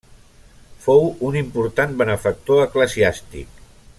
Fou un important benefactor eclesiàstic.